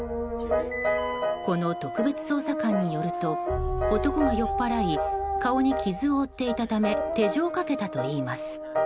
この特別捜査官によると男が酔っ払い顔に傷を負っていたため手錠をかけたといいます。